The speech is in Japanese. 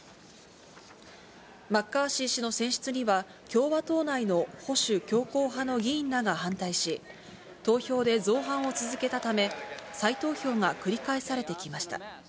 マッカーシー氏の選出には、共和党内の保守強硬派の議員らが反対し、投票で造反を続けたため、再投票が繰り返されてきました。